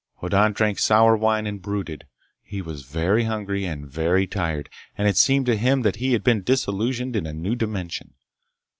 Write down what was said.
Hoddan drank sour wine and brooded. He was very hungry and very tired, and it seemed to him that he had been disillusioned in a new dimension.